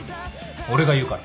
俺が言うから。